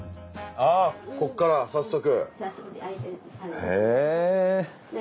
あここから早速。